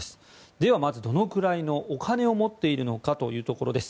ではまずどのくらいのお金を持っているのかというところです。